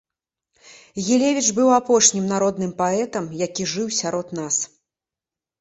Гілевіч быў апошнім народным паэтам, які жыў сярод нас.